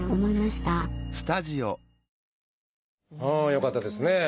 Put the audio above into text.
よかったですね。